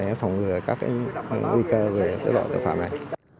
để phòng ngừa các nguy cơ về loại tội phạm này